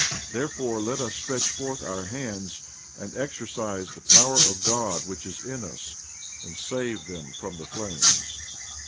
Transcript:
Therefore let us stretch forth our hands, and exercise the power of God which is in us, and save them from the flames.